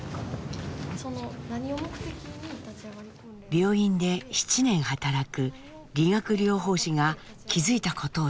病院で７年働く理学療法士が気付いたことを指摘。